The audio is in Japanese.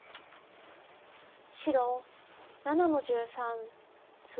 白７の十三ツギ。